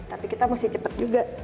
tapi kita mesti cepat juga